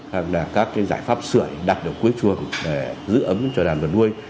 hoặc là các cái giải pháp sửa đặt ở cuối chuồng để giữ ấm cho đàn vật nuôi